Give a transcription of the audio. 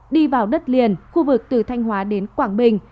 đi vào đất liền khu vực từ thanh hóa đến quảng bình